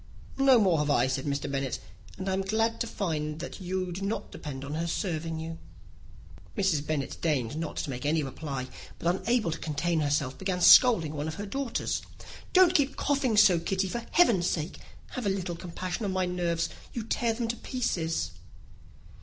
"No more have I," said Mr. Bennet; "and I am glad to find that you do not depend on her serving you." Mrs. Bennet deigned not to make any reply; but, unable to contain herself, began scolding one of her daughters. "Don't keep coughing so, Kitty, for heaven's sake! Have a little compassion on my nerves. You tear them to pieces."